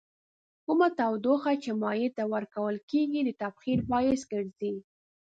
کومه تودوخه چې مایع ته ورکول کیږي د تبخیر باعث ګرځي.